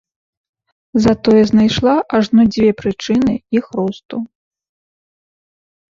Затое знайшла ажно дзве прычыны іх росту.